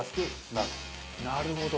なるほど。